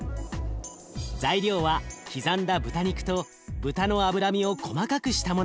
材料は刻んだ豚肉と豚の脂身を細かくしたもの。